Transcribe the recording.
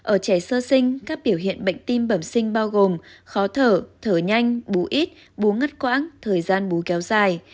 ở trẻ sơ sinh các biểu hiện bệnh tim bẩm sinh bao gồm khó thở thở nhanh bú ít búa ngất quãng thời gian bú kéo dài